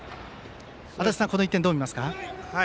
足達さん、この１点はどう見ますか。